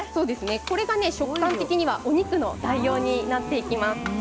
これが食感的にお肉の代用になります。